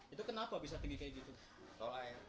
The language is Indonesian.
itu kenapa bisa tinggi kayak gitu